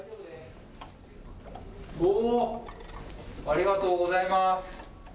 ありがとうございます。